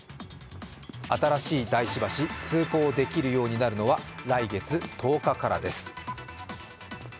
新しい大師橋通行できるようになるのは来月１０日からです。